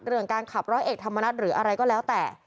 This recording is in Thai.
เรื่องการขับร้อยเอกธรรมนัฏหรืออะไรก็แล้วแต่